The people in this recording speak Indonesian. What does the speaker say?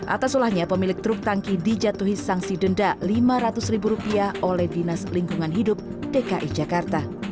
atas olahnya pemilik truk tangki dijatuhi sanksi denda lima ratus ribu rupiah oleh dinas lingkungan hidup dki jakarta